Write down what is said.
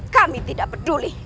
kami tidak peduli